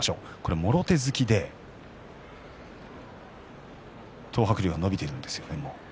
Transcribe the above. もろ手突きで東白龍が伸びているんです。